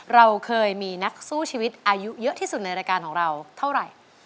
เราเคยมีนักสู้ชีวิตอายุเยอะที่สุดในรายการของเราเท่าไหร่